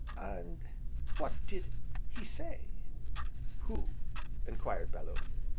"And what did he say?" "Who?" enquired Bellew.